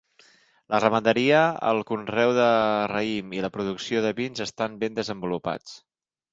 La ramaderia, el conreu de raïm i la producció de vins estan ben desenvolupats.